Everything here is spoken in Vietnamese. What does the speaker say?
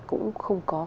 cũng không có